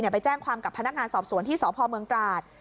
ไปแจ้งความกับพนักงานสอบสวนที่สพเมืองตราด